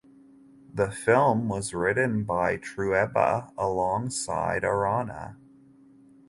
The film was written by Trueba alongside Arana.